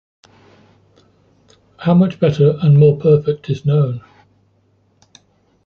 How much better and more perfect is known.